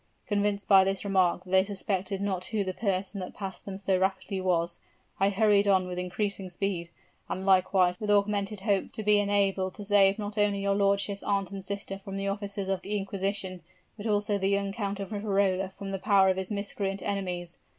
Convinced by this remark that they suspected not who the person that passed them so rapidly was, I hurried on with increasing speed, and likewise with augmented hope to be enabled to save not only your lordship's aunt and sister from the officers of the inquisition, but also the young Count of Riverola from the power of his miscreant enemies.